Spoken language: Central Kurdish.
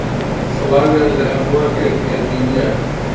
سڵاویان لە ھەمووان کرد کە بینییان.